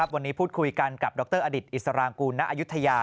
วันนี้พูดคุยกันกับคาติมอดิษศรังกุณะอายุธยา